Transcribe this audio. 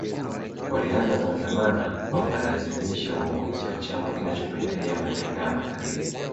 Walianza kuandamana wakalazimisha uongozi wa chama kinachopendelea mataifa ya Magharibi